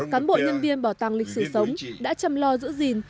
cán bộ nhân viên bảo tàng lịch sử sống đã chăm lo giữ gìn